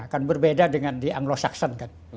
kan berbeda dengan di anglo saxon kan